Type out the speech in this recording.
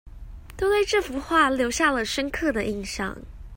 都對這幅畫留下了深刻的印象